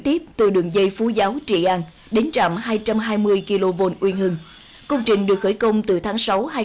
tiếp từ đường dây phú giáo trị an đến trạm hai trăm hai mươi kv uyên hưng công trình được khởi công từ tháng sáu